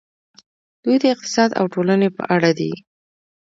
دوی د اقتصاد او ټولنې په اړه دي.